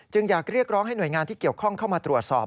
อยากเรียกร้องให้หน่วยงานที่เกี่ยวข้องเข้ามาตรวจสอบ